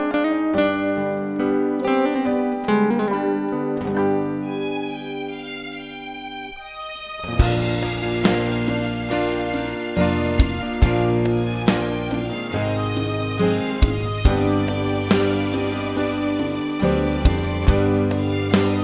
มวย่งกาแฮนไซโก้เศรษฐ์เอมียใจบอสงิทเดชน์